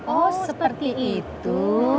oh seperti itu